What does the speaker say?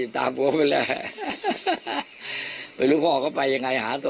เพราะอาจมีโทรศัพท์นี้